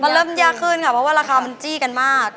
มันเริ่มยากขึ้นค่ะเพราะว่าราคามันจี้กันมาก